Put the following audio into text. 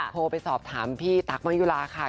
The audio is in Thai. โทรไปสอบถามพี่ตั๊กมะยุลาค่ะ